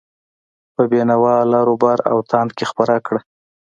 په بینوا، لراوبر او تاند کې خپره کړه.